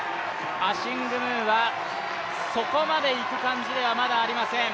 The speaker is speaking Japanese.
アシング・ムーはそこまでいくかんじではまだありません。